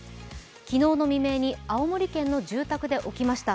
昨日の未明に青森県の住宅で起きました。